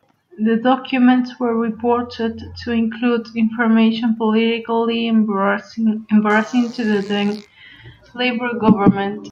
The documents were reported to include information politically embarrassing to the then-Labour Government.